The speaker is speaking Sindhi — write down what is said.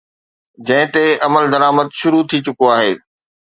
جنهن تي عملدرآمد شروع ٿي چڪو آهي.